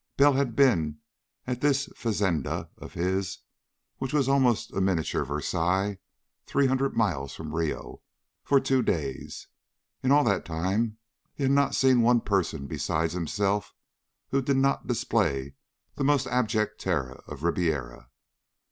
Bell had been at this fazenda of his which was almost a miniature Versailles three hundred miles from Rio for two days. In all that time he had not seen one person besides himself who did not display the most abject terror of Ribiera.